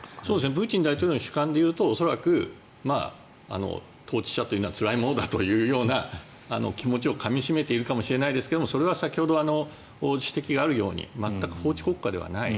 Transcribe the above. プーチン大統領の主観でいうと、恐らく統治者というのはつらいものだというような気持ちをかみ締めているかもしれないですがそれは先ほど指摘があるように全く法治国家ではない。